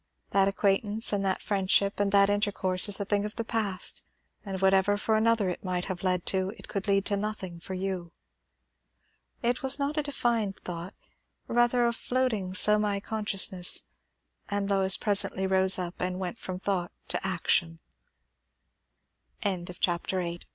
That acquain'tance, and that friendship, and that intercourse, is a thing of the past; and whatever for another it might have led to, it could lead to nothing for you.' It was not a defined thought; rather a floating semi consciousness; and Lois presently rose up and went from thought to action. CHAPTER IX. THE FAMILY. The spring day